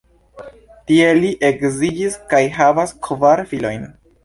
Tie li edziĝis kaj havas kvar filojn.